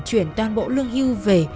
chuyển toàn bộ lương hưu về